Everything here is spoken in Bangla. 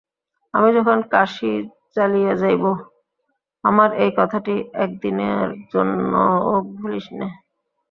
আমি যখন কাশী চলিয়া যাইব, আমার এই কথাটি একদিনের জন্যও ভুলিস নে।